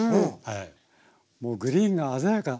もうグリーンが鮮やか。